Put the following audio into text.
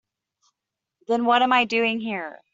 Then what am I doing here?